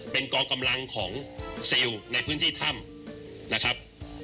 เป็นกองกำลังของซิลในพื้นที่ถ้ำนะครับ